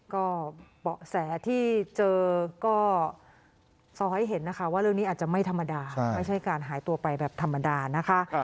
ก็เบาะแสที่เจอก็ซ้อให้เห็นนะคะว่าเรื่องนี้อาจจะไม่ธรรมดาไม่ใช่การหายตัวไปแบบธรรมดานะคะ